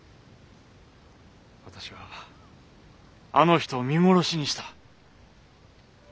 私はあの人を見殺しにした。